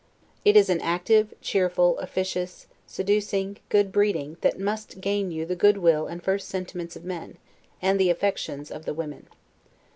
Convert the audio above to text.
It is an active, cheerful, officious, seducing, good breeding that must gain you the good will and first sentiments of men, and the affections of the women.